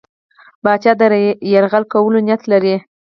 پاچا د یرغل کولو نیت لري.